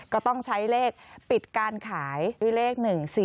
ก็ต้องใช้เลขปิดการขายด้วยเลข๑๔